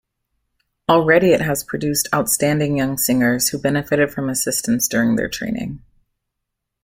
Already it has produced outstanding young singers who benefited from assistance during their training.